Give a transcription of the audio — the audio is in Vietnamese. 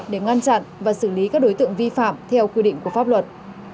để ngăn chặn và xử lý các đối tượng vi phạm theo quy định của pháp luật